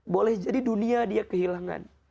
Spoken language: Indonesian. boleh jadi dunia dia kehilangan